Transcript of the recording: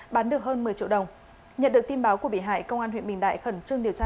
bán được hơn một mươi triệu đồng nhận được tin báo của bị hại công an huyện bình đại khẩn trương điều tra